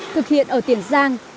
thực hiện ở tiền giang